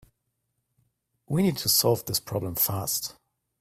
We need to solve this problem fast.